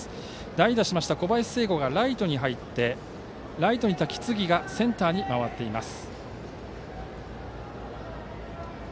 代打だった小林誓悟がライトに入ってライトにいた木次がセンターに回っています。